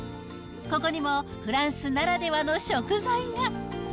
ここにもフランスならではの食材が。